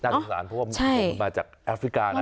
สงสารเพราะว่ามันมาจากแอฟริกานะ